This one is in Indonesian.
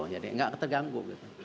jadi enggak terganggu